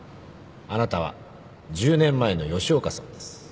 あなたは１０年前の吉岡さんです。